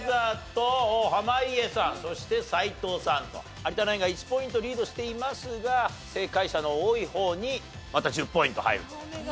有田ナインが１ポイントリードしていますが正解者の多い方にまた１０ポイント入ると。